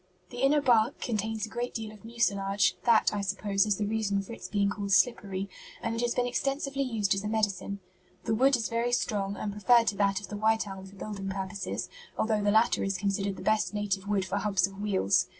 The inner bark contains a great deal of mucilage that, I suppose, is the reason for its being called 'slippery' and it has been extensively used as a medicine. The wood is very strong and preferred to that of the white elm for building purposes, although the latter is considered the best native wood for hubs of wheels.